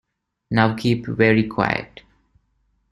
Now keep very quiet.